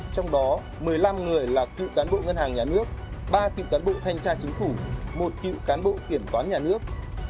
trong đó một mươi năm người là cựu cán bộ ngân hàng nhà nước ba cựu cán bộ thanh tra chính phủ một cựu cán bộ kiểm toán nhà nước